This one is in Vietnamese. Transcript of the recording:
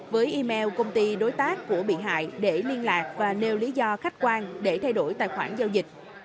với email công ty đối tác của bị hại để liên lạc và nêu lý do khách quan để thay đổi tài khoản giao dịch